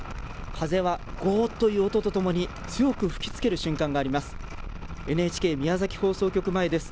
風はごーっという音とともに強く吹きつける瞬間があります。